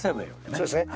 そうですね。